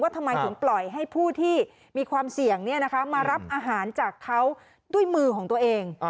ทำไมถึงปล่อยให้ผู้ที่มีความเสี่ยงมารับอาหารจากเขาด้วยมือของตัวเอง